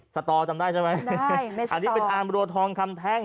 สตอจำได้ใช่ไหมอันนี้เป็นอามรัวทองคำแท่ง